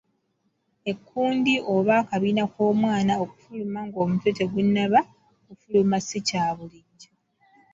Ekkundi oba akabina k'omwana okufuluma ng'omutwe tegunnaba kufuluma si kya bulijjo.